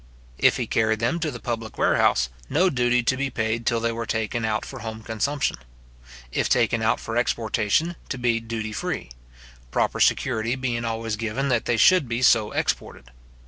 If he carried them to the public warehouse, no duty to be paid till they were taken out for home consumption. If taken out for exportation, to be duty free; proper security being always given that they should be so exported.